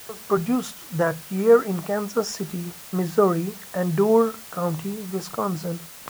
It was produced that year in Kansas City, Missouri and Door County, Wisconsin.